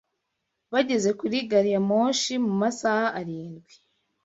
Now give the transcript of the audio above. Bageze kuri gari ya moshi mu masaha arindwi.